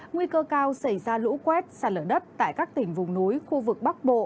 nguy cơ cao xảy ra lũ quét sạt lở đất tại các tỉnh vùng núi khu vực bắc bộ